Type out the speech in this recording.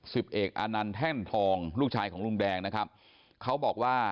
สิบเอกอานันท่านทองลูกชายของลุงแดงนะครับ